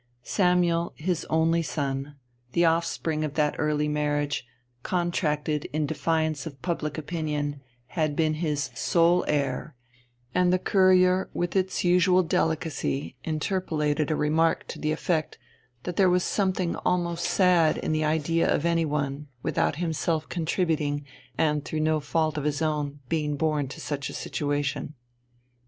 Samuel, his only son, the offspring of that early marriage, contracted in defiance of public opinion, had been his sole heir and the Courier, with its usual delicacy, interpolated a remark to the effect that there was something almost sad in the idea of any one, without himself contributing, and through no fault of his own, being born to such a situation.